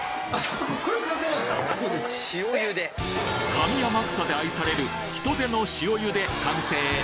上天草で愛されるヒトデの塩茹で完成！